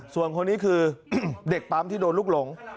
ส่วนคนนี้คือเด็กปั๊มที่โดนลูกหลง